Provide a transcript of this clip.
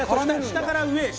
下から上へ！